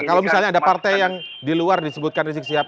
kalau misalnya ada partai yang di luar disebutkan rizik sihab